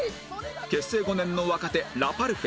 結成５年の若手ラパルフェ